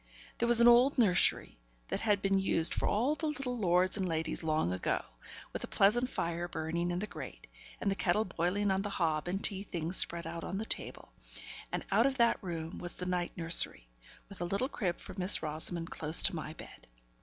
There was an old nursery, that had been used for all the little lords and ladies long ago, with a pleasant fire burning in the grate, and the kettle boiling on the hob, and tea things spread out on the table; and out of that room was the night nursery, with a little crib for Miss Rosamond close to my bed.